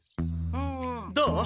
どう？